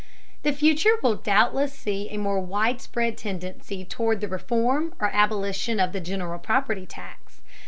The future will doubtless see a more widespread tendency toward the reform or abolition of the general property tax.